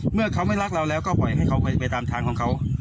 เมื่อเขาไม่รักเราแล้วก็ปล่อยให้เขาไปตามทางของเขา